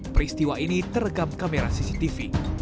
peristiwa ini terekam kamera cctv